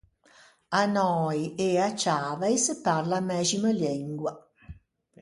À Nöi e à Ciavai se parla a mæxima lengua.